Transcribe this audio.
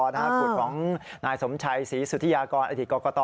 สูตรของนายสมใชศรีสุธิยกรอดิตกกต